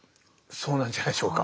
そうなんじゃないでしょうか。